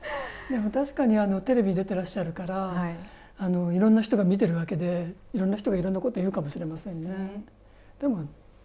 確かにテレビ出てらっしゃるからいろんな人が見てるわけでいろんな人がいろんなことを言うかもしれませんね。